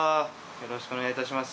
よろしくお願いします。